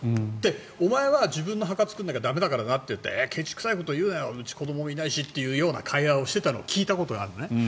お前は自分の墓を作らなきゃ駄目だからなと言ってけち臭いなうち、子どもいないしという会話をしていたのを聞いたことがあるのね。